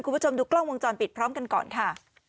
คุณผู้ชมดูกล้องวงจรปิดพร้อมกันก่อนค่ะ